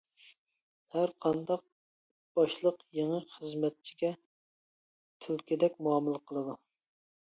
ھەرقانداق باشلىق يېڭى خىزمەتچىگە تۈلكىدەك مۇئامىلە قىلىدۇ.